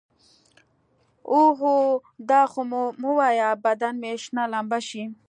اوهو دا خو مه وايه بدن مې شنه لمبه شي.